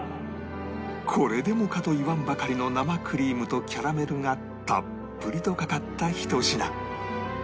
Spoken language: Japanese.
これでもかと言わんばかりの生クリームとキャラメルがたっぷりとかかったひと品